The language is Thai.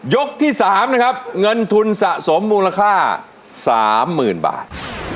ที่๓นะครับเงินทุนสะสมมูลค่า๓๐๐๐บาท